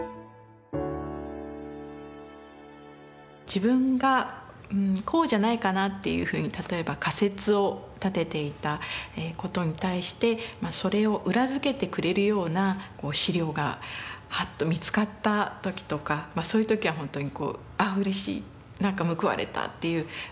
自分がこうじゃないかなっていうふうに例えば仮説を立てていたことに対してそれを裏付けてくれるような資料がはっと見つかった時とかそういう時は本当に「あっうれしい何か報われた」っていう感じがします。